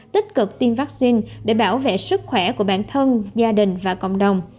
tích cực tiêm vaccine để bảo vệ sức khỏe của bản thân gia đình và cộng đồng